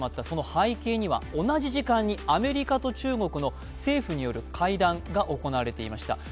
その背景には同じ時間にアメリカと中国の政府による会談が行われていました。